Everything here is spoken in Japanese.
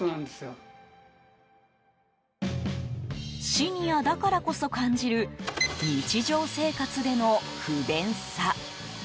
シニアだからこそ感じる日常生活での不便さ。